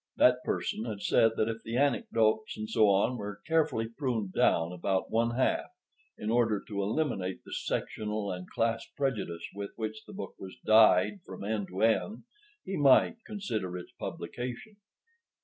That person had said that if the anecdotes, etc., were carefully pruned down about one half, in order to eliminate the sectional and class prejudice with which the book was dyed from end to end, he might consider its publication.